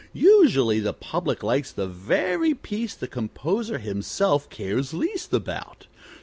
Usually the public likes best the very piece the composer himself cares least about.